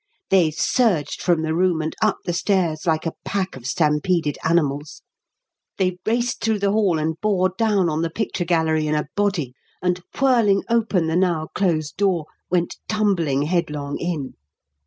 They surged from the room and up the stairs like a pack of stampeded animals; they raced through the hall and bore down on the picture gallery in a body, and, whirling open the now closed door, went tumbling headlong in.